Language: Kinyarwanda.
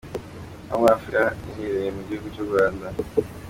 aho muri Afurika yahere mu gihugu cy’ u Rwanda.